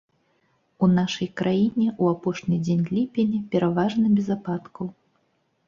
У нашай краіне ў апошні дзень ліпеня пераважна без ападкаў.